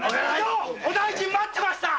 お大尽待ってました。